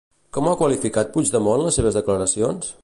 Com ha qualificat Puigdemont les seves declaracions?